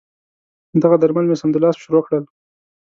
دغه درمل مې سمدلاسه شروع کړل.